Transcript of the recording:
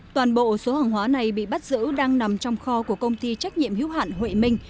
toàn bộ số hàng hóa này bị bắt giữ đang nằm trong kho của công ty trách nhiệm hiếu hạn huệ minh